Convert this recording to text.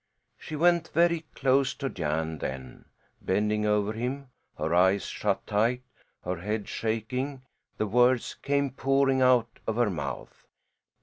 She went very close to Jan, then, bending over him, her eyes shut tight, her head shaking, the words came pouring out of her mouth.